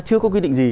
chưa có quyết định gì